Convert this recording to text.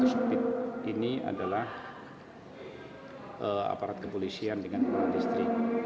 terus kemudian satu speed ini adalah aparat kepolisian dengan kepala distrik